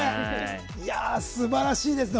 すばらしいですね。